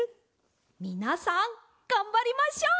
みなさんがんばりましょう！